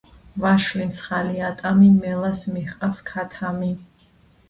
ვაშლი მსხალი ატამი მელას მიჰყავს ქათამი